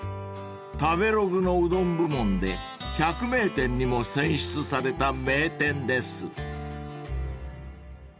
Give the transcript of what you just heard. ［食べログのうどん部門で百名店にも選出された名店です］